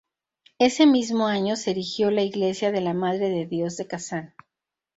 Ese mismo año se erigió la Iglesia de la Madre de Dios de Kazán.